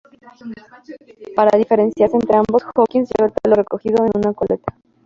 Para diferenciarse entre ambos, Hawkins llevaba el pelo recogido en una coleta.